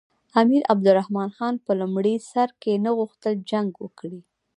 امیر عبدالرحمن خان په لومړي سر کې نه غوښتل جنګ وکړي.